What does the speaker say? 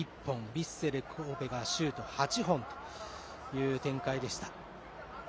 ヴィッセル神戸がシュート８本という展開でした。